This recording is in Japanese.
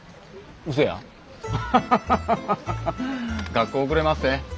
学校遅れまっせ。